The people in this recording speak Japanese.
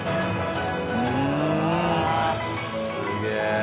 すげえ。